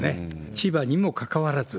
千葉にもかかわらず。